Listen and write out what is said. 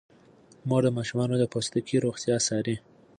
مور د ماشومانو د پوستکي روغتیا څاري.